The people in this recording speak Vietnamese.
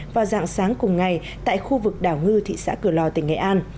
vào dạng sáng cùng ngày tại khu vực đảo ngư thị xã cửa lò tỉnh nghệ an